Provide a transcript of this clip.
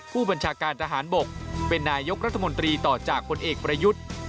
ผู้บัญชาการทหารบกเป็นนายกรัฐมนตรีต่อจากผลเอกประยุทธ์